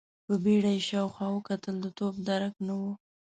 په بيړه يې شاوخوا وکتل، د توپ درک نه و.